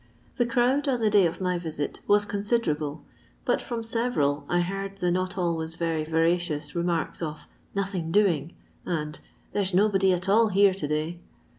The crowd on the day of my visit was considerable, but from several I heard the not always very veracious remarks of " Nothing doing" and " There 's nobody at all here to day."